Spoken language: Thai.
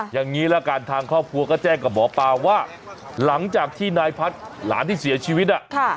อย่างนี้ละกันทางครอบครัวก็แจ้งกับหมอปลาว่าหลังจากที่นายพัฒน์หลานที่เสียชีวิต